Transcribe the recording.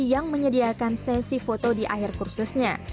yang menyediakan sesi foto di akhir kursusnya